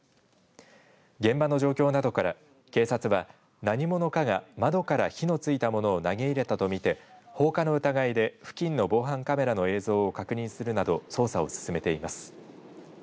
現場の状況などから警察は何者かが窓から火のついたものを投げ入れたと見て放火の疑いで付近の防犯カメラの映像を確認するなど捜査を進めています。